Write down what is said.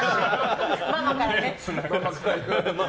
ママからね。